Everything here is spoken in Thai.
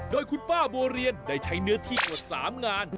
โดยคุณป้าบัวเรียนได้ใช้เนื้อที่กว่า๓งาน